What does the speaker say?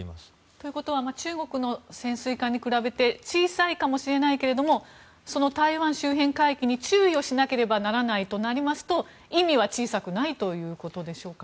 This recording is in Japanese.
ということは中国の潜水艦に比べて小さいかもしれないけれども台湾周辺海域に注意をしなければならないとなりますと意味は小さくないということでしょうか。